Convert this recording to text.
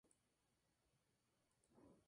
No me ruegues que te deje, y que me aparte de ti: